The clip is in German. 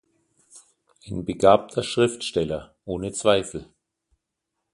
Ein begabter Schriftsteller ohne Zweifel“.